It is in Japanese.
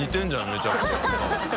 めちゃくちゃ多分。